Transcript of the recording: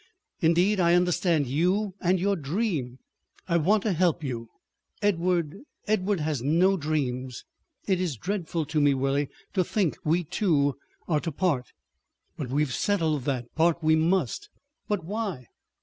Indeed I understand you and your dream. I want to help you. Edward—Edward has no dreams. ... It is dreadful to me, Willie, to think we two are to part." "But we have settled that—part we must." "But _why?